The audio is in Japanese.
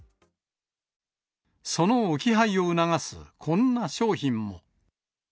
その置き配を促す、こんな商品も。